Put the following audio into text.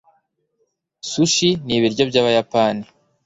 sushi ni ibiryo byabayapani